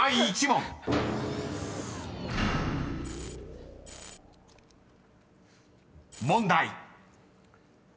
［問題］